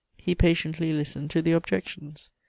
He patiently listened to the objections.